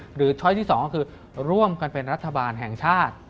ช้อยที่๒ก็คือร่วมกันเป็นรัฐบาลแห่งชาติ